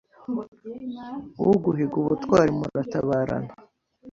Uguhige ubutweri, mureteberene; -